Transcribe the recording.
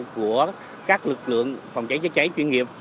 của các lực lượng phòng trái chữa trái chuyên nghiệp